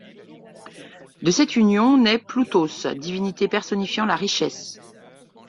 De cette union nait Ploutos, divinité personnifiant la richesse.